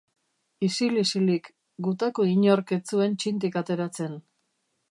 Isil-isilik. Gutako inork ez zuen txintik ateratzen.